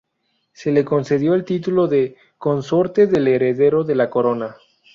Se le concedió el título de "Consorte del Heredero de la Corona".